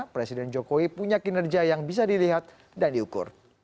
presiden jokowi punya kinerja yang bisa dilihat dan diukur